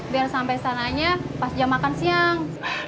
biar sampai sananya pas jam makan siang